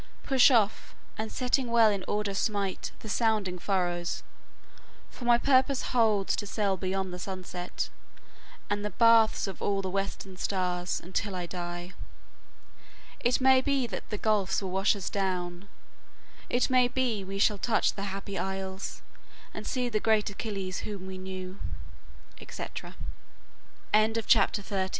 Push off, and sitting well in order smite The sounding furrows; for my purpose holds To sail beyond the sunset, and the baths Of all the western stars, until I die. It may be that the gulfs will wash us down; It may be we shall touch the Happy Isles, And see the great Achilles whom we knew;" etc. CHAPTER XXXI ADVENTURES OF AEN